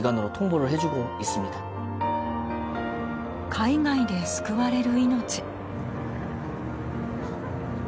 海外で救われる命。